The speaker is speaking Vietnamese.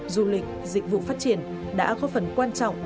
du lịch dịch vụ phát triển đã góp phần quan trọng